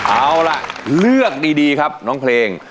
เอาล่ะเลือกดีครับน้องเพลง